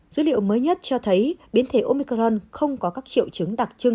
dữ liệu mới nhất cho thấy biến thể omicron không có các triệu chứng đặc trưng